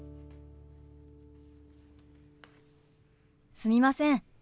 すみません。